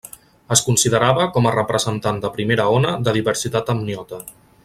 Es considerava com a representant de primera ona de diversitat amniota.